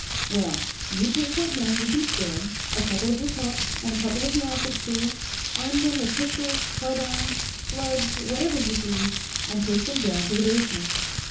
"Well, you take what men you can spare a couple of your cops, and a couple of the office crew arm them with pistols, carbines, clubs, whatever you please, and take them down to the basement.